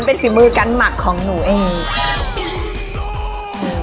เป็นฝีมือการหมักของหนูเอง